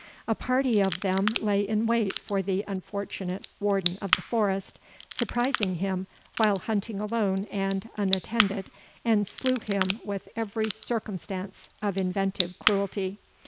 A party of them lay in wait for the unfortunate Warden of the Forest, surprised him while hunting alone and unattended, and slew him with every circumstance of inventive cruelty.